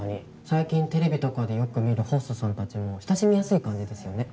最近テレビとかでよく見るホストさんたちも親しみやすい感じですよね。